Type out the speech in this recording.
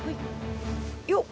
よっ。